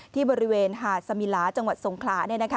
ที่บริเวณหาดสมิลาจังหวัดสงขลา